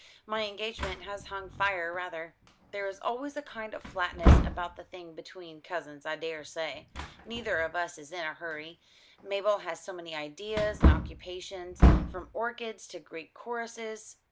My engagement has hung fire rather. There is always a kind of flatness about the thing between cousins, I daresay. Neither of us is in a hurry. Mabel has so many ideas and occupations, from orchids to Greek choruses."